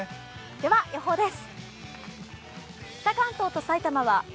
では、予報です。